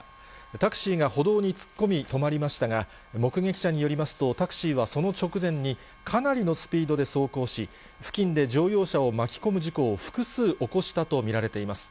タクシーが歩道に突っ込み止まりましたが、目撃者によりますと、タクシーはその直前に、かなりのスピードで走行し、付近で乗用車を巻き込む事故を複数起こしたと見られています。